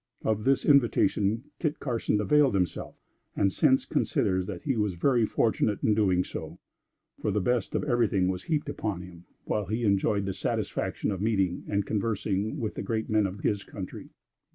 Of this invitation Kit Carson availed himself, and since considers that he was very fortunate in doing so, for the best of everything was heaped upon him, while he enjoyed the satisfaction of meeting and conversing with the great men of his country.